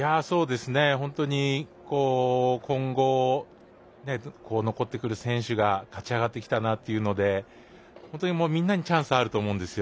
本当に今後残ってくる選手が勝ち上がってきたなというので本当にみんなにチャンスがあると思います。